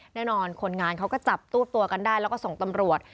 แน่นอนคนงานเขาก็จับตู้ตัวกันได้แล้วก็ส่งตำรวจ